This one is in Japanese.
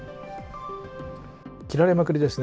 切られまくりですね。